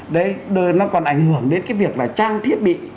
đấy nó còn ảnh hưởng đến cái việc là trang thiết bị